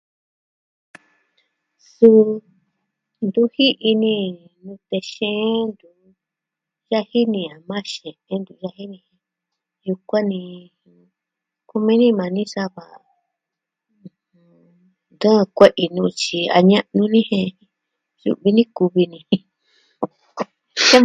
Suu, ntu ji'i ni, nute xeen. Yaji ni a maa xii jen ntu yaji ni. Yukuan ni. Kumini maa ni sava ntɨɨn kue'i nu tyi a ña'nu ni jen jiuu vi ni kuvi ni.